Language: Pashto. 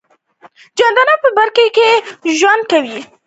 جانداد د بر کلي ژرندګړی ميلمه کړی و.